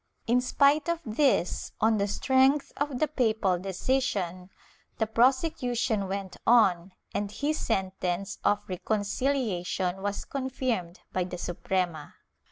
In spite of this, on the strength of the papal decision, the prosecution went on and his sentence of reconciliation was confirmed by the Suprema.